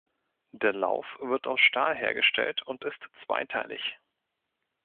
Der Lauf wird aus Stahl hergestellt und ist zweiteilig.